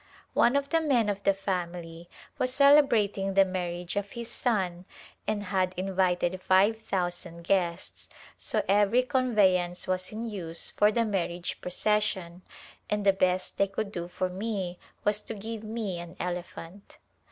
One of the men of the family was celebrating the marriage of his son and had invited five thousand guests, so every con veyance was in use for the marriage procession, and the best they could do for me was to give me an elephant.